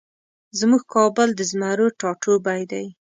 زمونږ کابل د زمرو ټاټوبی دی